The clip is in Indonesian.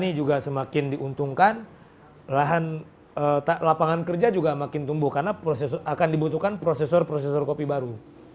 ini juga semakin diuntungkan lapangan kerja juga makin tumbuh karena akan dibutuhkan prosesor prosesor kopi baru